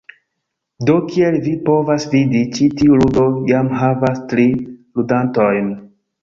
Do, kiel vi povas vidi, ĉi tiu ludo jam havas tri ludantojn.